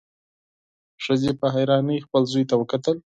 ښځې په حيرانۍ خپل زوی ته وکتل.